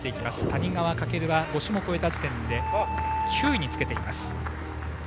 谷川翔は５種目終えた時点で９位につけています。